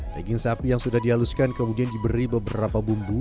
daging sapi yang sudah dihaluskan kemudian diberi beberapa bumbu